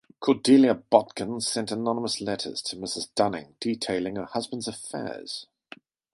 Cordelia Botkin sent anonymous letters to Mrs. Dunning detailing her husband's affairs.